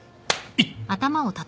えっ？